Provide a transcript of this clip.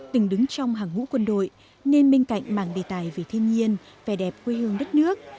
từng đứng trong hàng ngũ quân đội nên bên cạnh mảng đề tài về thiên nhiên vẻ đẹp quê hương đất nước